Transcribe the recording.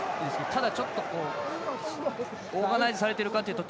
ただ、ちょっとオーガナイズされてるかというと